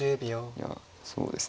いやそうですね